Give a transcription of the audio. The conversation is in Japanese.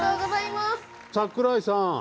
櫻井さん！